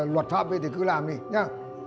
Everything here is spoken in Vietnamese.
luật pháp ấy thì cứ làm đi nhé